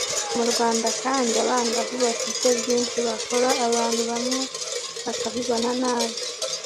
mu rwanda kandi, abangavu bafite byinshi bakora abantu bamwe bakabibona nabi.